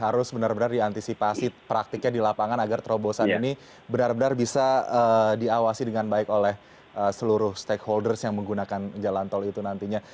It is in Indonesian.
harus benar benar diantisipasi praktiknya di lapangan agar terobosan ini benar benar bisa diawasi dengan baik oleh seluruh stakeholders yang menggunakan jalan tol itu nantinya